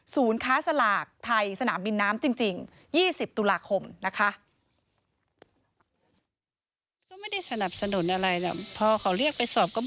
ค้าสลากไทยสนามบินน้ำจริง๒๐ตุลาคมนะคะ